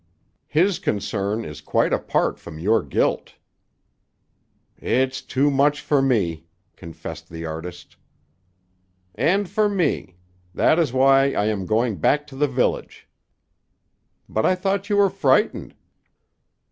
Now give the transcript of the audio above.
His concern is quite apart from your guilt." "It's too much for me," confessed the artist. "And for me. That is why I am going back to the village." "But I thought you were frightened."